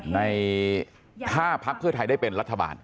ในถ้าพักเพื่อไทยได้เป็นรัฐบาล